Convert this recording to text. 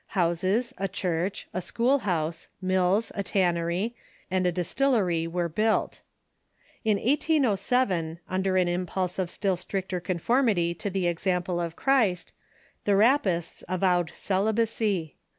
Houses, a church, a school house, mills, a tannery, and a distillery Avere built. In 1807, under an impulse of still stricter confoi'mity to the ex ample of Christ, the Rappists avowed celibacy.